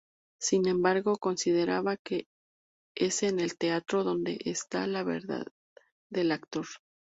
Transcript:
Sin embargo, consideraba que es en el teatro donde "está la verdad del actor".